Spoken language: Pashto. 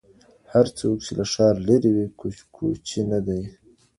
هر څوک چي له ښار لرې وي کوچۍ نه دی.